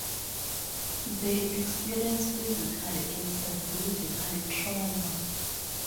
They experience physical and psychological trauma.